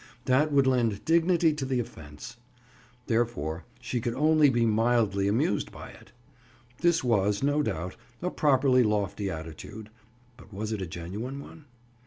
That would lend dignity to the offense. Therefore she could only be mildly amused by it. This was, no doubt, a properly lofty attitude, but was it a genuine one?